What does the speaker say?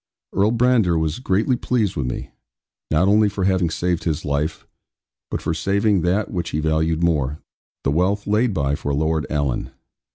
Earl Brandir was greatly pleased with me, not only for having saved his life, but for saving that which he valued more, the wealth laid by for Lord Alan.